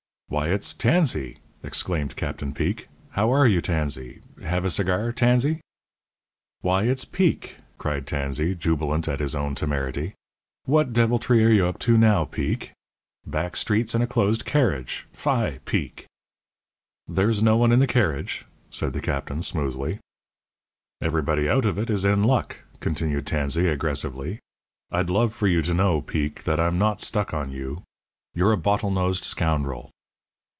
"Why, it's Tansey!" exclaimed Captain Peek. "How are you, Tansey? H have a cigar, Tansey?" "Why, it's Peek!" cried Tansey, jubilant at his own temerity. "What deviltry are you up to now, Peek? Back streets and a closed carriage! Fie! Peek!" "There's no one in the carriage," said the Captain, smoothly. "Everybody out of it is in luck," continued Tansey, aggressively. "I'd love for you to know, Peek, that I'm not stuck on you. You're a bottle nosed scoundrel."